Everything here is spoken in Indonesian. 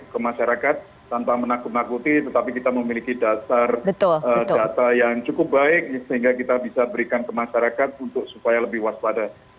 ke masyarakat tanpa menakut nakuti tetapi kita memiliki dasar data yang cukup baik sehingga kita bisa berikan ke masyarakat untuk supaya lebih waspada